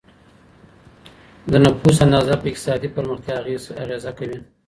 د نفوس اندازه په اقتصادي پرمختیا اغېزه کوي.